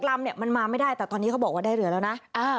ลำเนี่ยมันมาไม่ได้แต่ตอนนี้เขาบอกว่าได้เรือแล้วนะ